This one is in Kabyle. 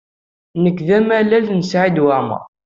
Nekk d amalal n Saɛid Waɛmaṛ.